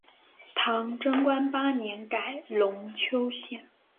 唐贞观八年改龙丘县。